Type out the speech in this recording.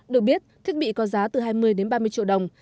được biết thiết bị có giá từ hai mươi đến ba mươi triệu đồng